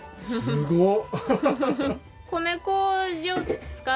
すごっ！